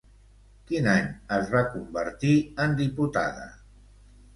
Quin any es va convertir en diputada?